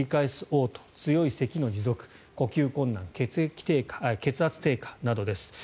おう吐強いせきの持続呼吸困難、血圧低下などです。